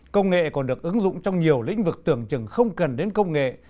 công nghệ còn được ứng dụng trong nhiều lĩnh vực tưởng chừng không cần đến công nghệ